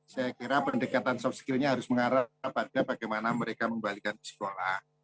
saya kira pendekatan soft skillnya harus mengarah pada bagaimana mereka membalikan ke sekolah